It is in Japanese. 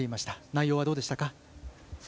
内容は、どうでしたか？